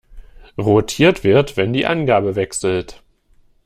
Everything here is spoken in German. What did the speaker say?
Rotiert wird, wenn die Angabe wechselt.